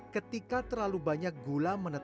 ketika terlalu banyak gula mengalami penyakit